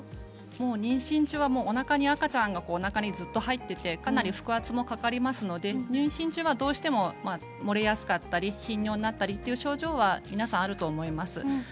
妊娠中はおなかに赤ちゃんがずっと入っていてかなり腹圧もかかりますので妊娠中はどうしても漏れやすかったり頻尿になったりという症状は皆さんあると思います。